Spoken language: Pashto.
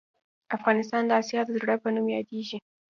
افغانستان د اسیا د زړه په نوم یادیږې